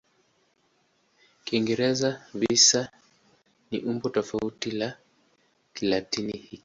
Kiingereza "visa" ni umbo tofauti la Kilatini hiki.